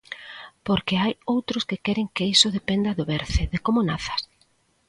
Porque hai outros que queren que iso dependa do berce, de como nazas.